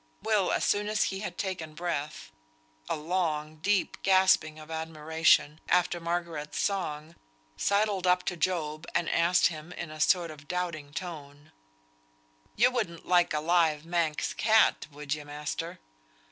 Will, as soon as he had taken breath (a long, deep gasp of admiration) after Margaret's song, sidled up to Job, and asked him in a sort of doubting tone, "You wouldn't like a live Manx cat, would ye, master?"